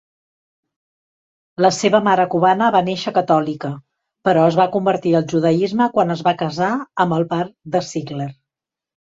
La seva mare cubana va néixer catòlica però es va convertir al judaisme quan es va casar amb el par de Sigler.